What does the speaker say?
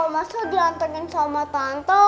masa diantangin sama tante